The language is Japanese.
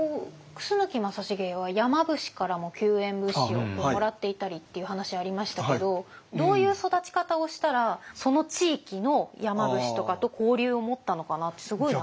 楠木正成は山伏からも救援物資をもらっていたりっていう話ありましたけどどういう育ち方をしたらその地域の山伏とかと交流を持ったのかなってすごい謎で。